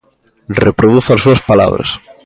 Reproduzo as súas palabras.